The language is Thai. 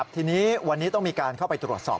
ทีนี้วันนี้ต้องมีการเข้าไปตรวจสอบ